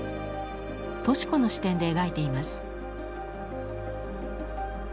敏子の視点で描いています。